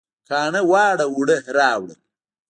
کاڼه واړه اوړه راوړل